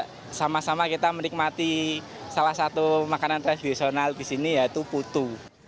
karena sama sama kita menikmati salah satu makanan tradisional di sini yaitu putu